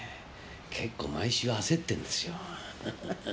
結構毎週焦ってんですよ。